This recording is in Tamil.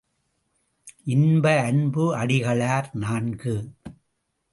இன்ப அன்பு அடிகளர் நான்கு.